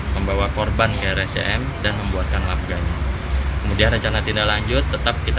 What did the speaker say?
membawa korban ke rscm dan membuatkan labgan kemudian rencana tindak lanjut tetap kita